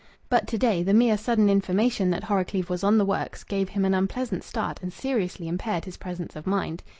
But to day the mere sudden information that Horrocleave was on the works gave him an unpleasant start and seriously impaired his presence of mind.